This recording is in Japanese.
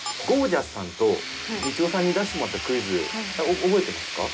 ジャスさんとみちおさんに出してもらったクイズあれ覚えてますか？